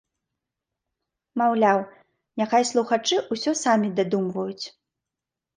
Маўляў, няхай слухачы ўсё самі дадумваюць.